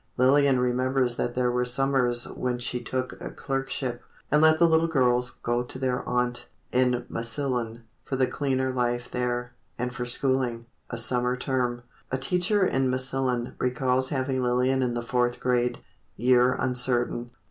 Lillian remembers that there were summers when she took a clerkship, and let the little girls go to their aunt, in Massillon, for the cleaner life there, and for schooling—a summer term. A teacher in Massillon recalls having Lillian in the Fourth Grade—year uncertain.